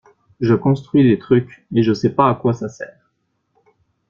Je construis des trucs et je sais pas à quoi ça sert.